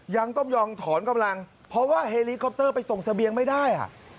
ยังต้องยอมถอนกำลังเพราะว่าเฮลีคอปเตอร์ไปส่งเสบียงไม่ได้